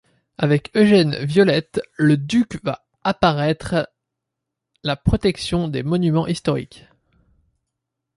Avec Eugène Violet le Duc va apparaître la protection des Monuments Historiques.